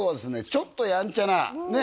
ちょっとやんちゃなね